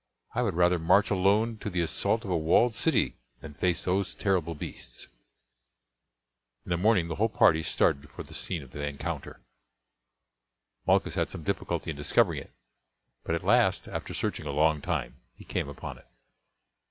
I would rather march alone to the assault of a walled city than face those terrible beasts." In the morning the whole party started for the scene of the encounter. Malchus had some difficulty in discovering it; but at last, after searching a long time he came upon it.